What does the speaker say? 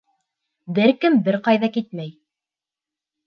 Бер кем бер ҡайҙа китмәй.